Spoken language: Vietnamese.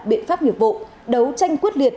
biện pháp nghiệp vụ đấu tranh quyết liệt